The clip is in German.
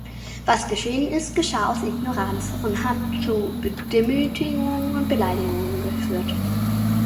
Was geschehen ist, geschah aus Ignoranz und hat zu Demütigung und Beleidigung geführt.